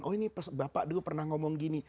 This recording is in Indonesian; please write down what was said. oh ini bapak dulu pernah ngomong gini